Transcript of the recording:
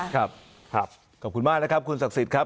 ครับครับขอบคุณมากนะครับคุณศักดิ์สิทธิ์ครับ